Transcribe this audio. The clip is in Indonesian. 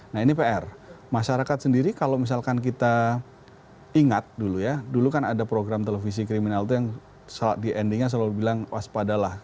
nah ini pr masyarakat sendiri kalau misalkan kita ingat dulu ya dulu kan ada program televisi kriminal itu yang di endingnya selalu bilang waspadalah